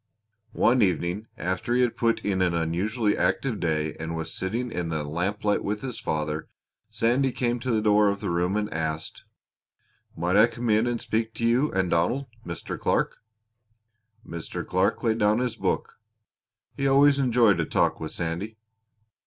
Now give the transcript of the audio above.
One evening after he had put in an unusually active day and was sitting in the lamplight with his father Sandy came to the door of the room and asked: "Might I come in and speak to you and Donald, Mr. Clark?" Mr. Clark laid down his book. He always enjoyed a talk with Sandy.